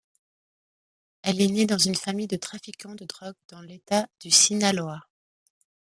Elle est née dans une famille de trafiquants de drogues dans l'État du Sinaloa.